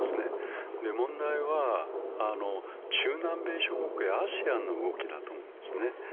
問題は中南米諸国やアジアの動きだと思うんですね。